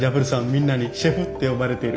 みんなにシェフって呼ばれてる。